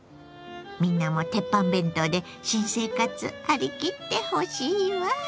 みんなもテッパン弁当で新生活張り切ってほしいわ。